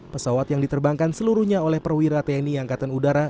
pesawat yang diterbangkan seluruhnya oleh perwira tni angkatan udara